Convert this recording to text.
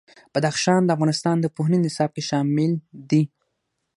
بدخشان د افغانستان د پوهنې نصاب کې شامل دي.